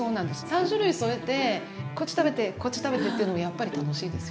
３種類添えてこっち食べてこっち食べてというのもやっぱり楽しいですよ。